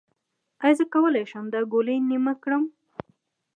ایا زه کولی شم دا ګولۍ نیمه کړم؟